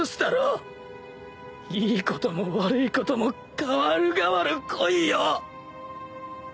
いいことも悪いことも代わる代わる来いよ！